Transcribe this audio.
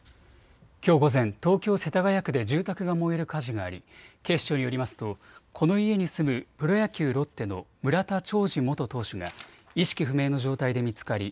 きょう午前、東京世田谷区で住宅が燃える火事があり警視庁によりますとこの家に住むプロ野球、ロッテの村田兆治元投手が意識不明の状態で見つかり